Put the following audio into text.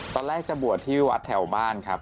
ตอนแรกจะบวชที่วัดแถวบ้านครับ